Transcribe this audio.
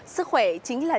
sức khỏe chính là